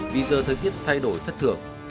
vì giờ thời tiết thay đổi thất thường